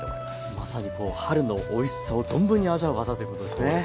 まさに春のおいしさを存分に味わう技ということですね。